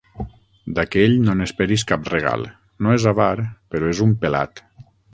D'aquell no n'esperis cap regal: no és avar, però és un pelat.